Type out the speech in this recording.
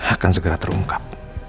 akan segera terungkap